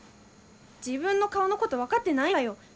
自分の顔のこと分かってないんらよ。